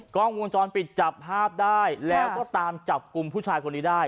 กล้องวงจรปิดจับภาพได้แล้วก็ตามจับกลุ่มผู้ชายคนนี้ได้